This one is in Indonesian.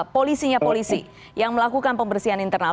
polisinya polisi yang melakukan pembersihan internal